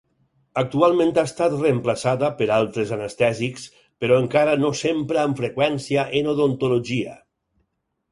Actualment ha estat reemplaçada per altres anestèsics però encara s’empra amb freqüència en odontologia.